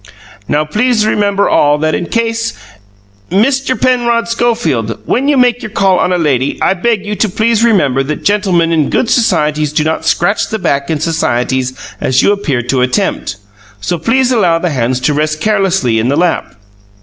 "Now please all remember that if in case Mister Penrod Schofield, when you make your call on a lady I beg you to please remember that gentlemen in good societies do not scratch the back in societies as you appear to attempt; so please allow the hands to rest carelessly in the lap.